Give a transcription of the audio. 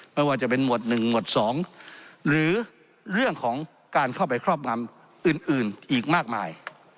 ไม่ว่าจะเป็นหมวด๑หมวด๒หรือเรื่องของการเข้าไปครอบงำอื่นอีกมากมาย